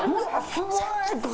すごい！とか。